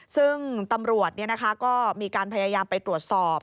ซึ่งตำรวจเนี่ยนะคะก็มีการพยายามไปตรวจสอบ